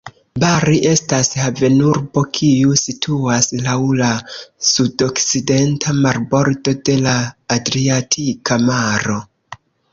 Bari estas havenurbo, kiu situas laŭ la sudokcidenta marbordo de la Adriatika Maro.